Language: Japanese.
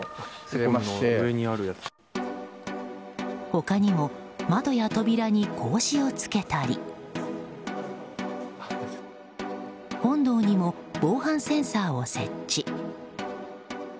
他にも窓や扉に格子をつけたり本堂にも防犯センサーを設置。